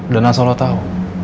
dan asal lo tau